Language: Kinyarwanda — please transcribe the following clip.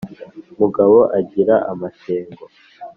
mugabo agira amashyengo